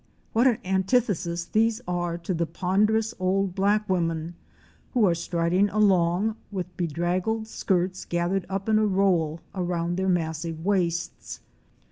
What an antithesis they are to the ponderous old black women who are striding along, with bedraggled skirts gath ered up in a roll around their massive waists.